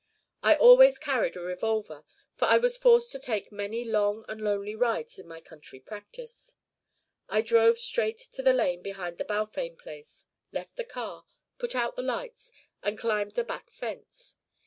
I always carried a revolver, for I was forced to take many long and lonely rides in my country practice. I drove straight to the lane behind the Balfame place, left the car, put out the lights, and climbed the back fence.